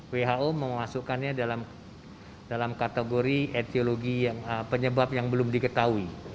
who memasukkannya dalam kategori etiologi penyebab yang belum diketahui